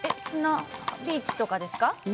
ビーチとかですか？